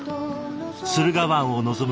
駿河湾を望む